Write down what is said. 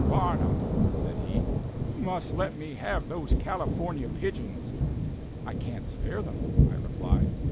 Barnum," said he, "you must let me have those California pigeons." "I can't spare them," I replied.